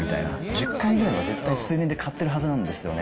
１０回ぐらいは絶対、数年で買ってるはずなんですよね。